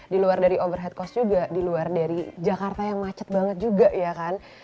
di luar dari overhead cost juga di luar dari jakarta yang macet banget juga ya kan